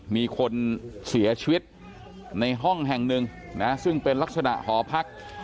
มีคนเสียชีวิตในห้องแห่งหนึ่งนะซึ่งเป็นลักษณะหอพัก